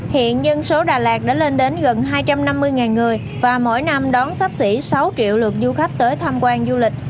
hiện dân số đà lạt đã lên đến gần hai trăm năm mươi người và mỗi năm đón sắp xỉ sáu triệu lượt du khách tới tham quan du lịch